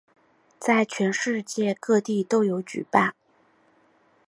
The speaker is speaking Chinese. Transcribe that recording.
在全世界各地都有举办。